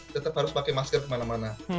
tetap harus pakai masker kemana mana